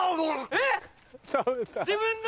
えっ！